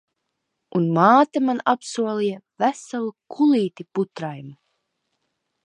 Un māte man apsolīja veselu kulīti putraimu.